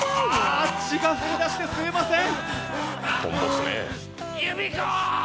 あ血が噴き出して吸えません